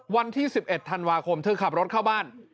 วันที่๑๑ธันวาคมเธอขับรถเข้าบ้าน